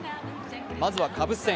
まずはカブス戦。